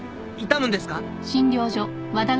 痛むんですか？